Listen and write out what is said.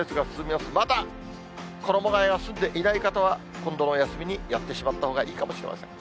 まだ衣がえは済んでいない方は、今度の休みにやってしまったほうがいいかもしれません。